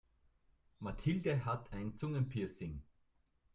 Mathilde hat ein Zungenpiercing.